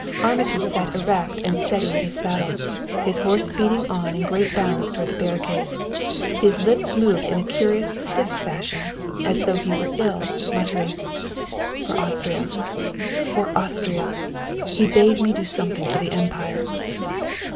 Armitage sat erect and steady in his saddle, his horse speeding on in great bounds toward the barricade. His lips moved in a curious stiff fashion, as though he were ill, muttering: "For Austria! For Austria! He bade me do something for the Empire!"